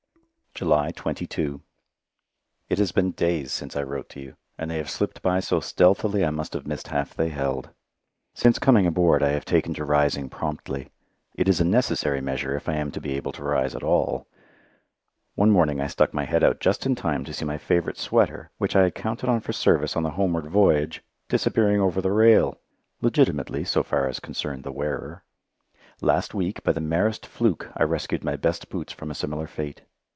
July 22 It has been days since I wrote you, and they have slipped by so stealthily I must have missed half they held. Since coming aboard I have taken to rising promptly. It is a necessary measure if I am to be able to rise at all. One morning I stuck my head out just in time to see my favourite sweater, which I had counted on for service on the homeward voyage, disappearing over the rail legitimately, so far as concerned the wearer. Last week, by the merest fluke, I rescued my best boots from a similar fate.